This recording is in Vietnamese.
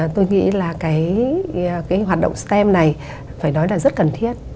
tôi nghĩ là cái hoạt động stem này phải nói là rất cần thiết